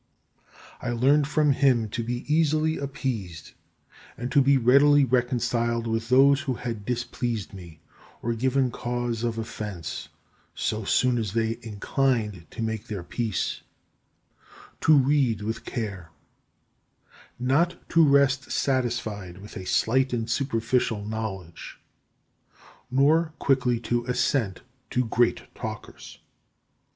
I learned from him to be easily appeased, and to be readily reconciled with those who had displeased me or given cause of offence, so soon as they inclined to make their peace; to read with care; not to rest satisfied with a slight and superficial knowledge; nor quickly to assent to great talkers.